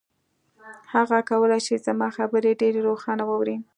هغه کولای شي زما خبرې ډېرې روښانه واوري.